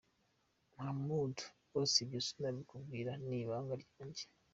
Muhamud: Rwose ibyo sinabikubwira ni ibanga ryanjye.